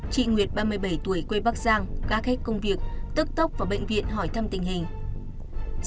chị nguyệt ba mươi bảy tuổi quê bắc giang đã hết công việc tức tốc vào bệnh viện hỏi thăm tình hình